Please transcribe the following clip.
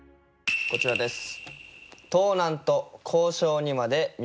こちらです。